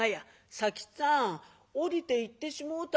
「佐吉っつぁん下りていってしもうたがや。